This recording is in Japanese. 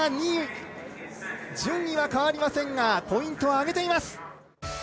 ２位と順位は変わりませんがポイントを上げています。